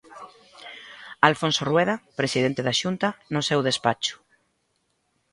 Alfonso Rueda, presidente da Xunta, no seu despacho.